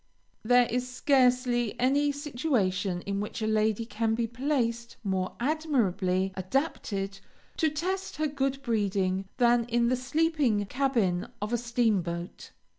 There is scarcely any situation in which a lady can be placed, more admirably adapted to test her good breeding, than in the sleeping cabin of a steam boat.